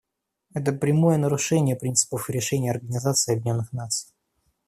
Это прямое нарушение принципов и решений Организации Объединенных Наций.